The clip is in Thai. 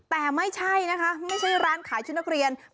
แต่ไม่ใช่นะคะไม่ใช่ร้านขายชุดนักเรียน